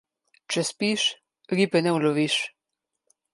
Če spiš, ribe ne uloviš.